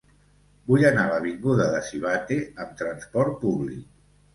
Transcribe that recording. Vull anar a l'avinguda de Sivatte amb trasport públic.